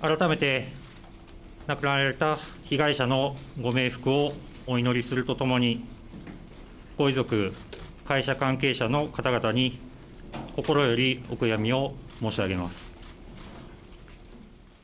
改めて亡くなられた被害者のご冥福をお祈りするとともにご遺族、会社関係者のかたがたに心よりお悔みを申し上げます。